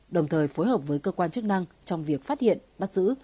đồng thời phối hợp với cơ quan chức năng trong việc phát hiện bắt giữ